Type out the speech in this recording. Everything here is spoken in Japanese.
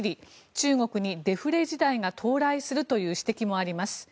中国にデフレ時代が到来するという指摘もあります。